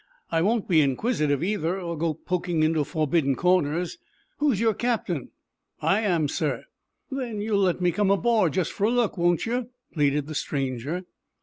"I won't be inquisitive, either, or go poking into forbidden corners. Who's your captain?" "I am, sir." "Then you'll let me come aboard, just for a look, won't you?" pleaded the stranger.